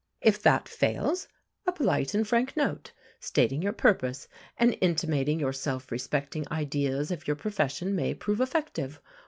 If that fails, a polite and frank note, stating your purpose and intimating your self respecting ideas of your profession, may prove effective.